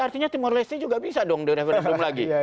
artinya timor leste juga bisa dong di referendum lagi